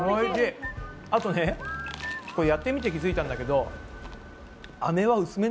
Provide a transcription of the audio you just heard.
あとねこれやってみて気付いたんだけど